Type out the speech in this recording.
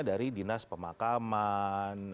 dari dinas pemakaman